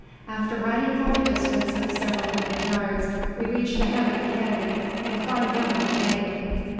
After riding for a distance of several hundred yards, we reached the head of the canon and climbed out on the bank.